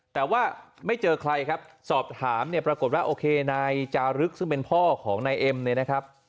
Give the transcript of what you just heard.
แต่ว่าไม่เจอใครครับสอบถามเนี่ยปรากฏว่าโอเคนายจารึกซึ่งเป็นพ่อของนายเอ็มเนี่ยนะครับ